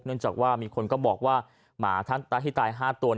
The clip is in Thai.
เนื่องจากว่ามีคนก็บอกว่าหมาท่านตะทิตาย๕ตัว